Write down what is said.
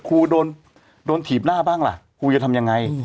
ครูโดนถีบหน้าบ้างล่ะครูจะทำยังไง